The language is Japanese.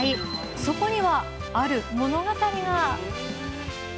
そこには、ある物語が。